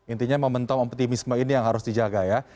intinya momentum optimisme ini yang harus dijaga ya